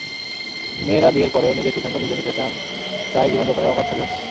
মেয়েরা বিয়ের পরেও নিজের সিদ্ধান্ত নিজে নিতে চান, চায় জীবনযাপনের অবাধ স্বাধীনতা।